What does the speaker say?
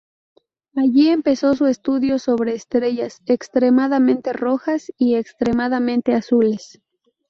Allí empezó su estudio sobre estrellas extremadamente rojas y extremadamente azules.